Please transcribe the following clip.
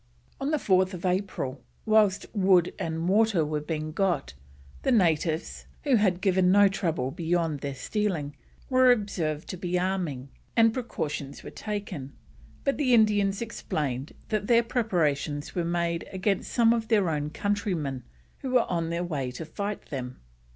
On 4th April, whilst wood and water was being got in, the natives, who had given no trouble beyond their stealing, were observed to be arming, and precautions were taken, but the Indians explained that their preparations were made against some of their own countrymen who were on their way to fight them.